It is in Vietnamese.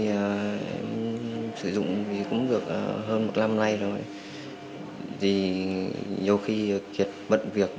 em sử dụng cũng được hơn một năm nay rồi nhiều khi kiệt bận việc